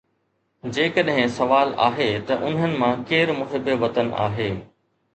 جيڪڏهن سوال آهي ته انهن مان ڪير محب وطن آهي؟